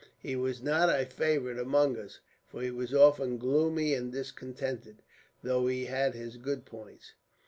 He was not a favourite among us, for he was often gloomy and discontented, though he had his good points.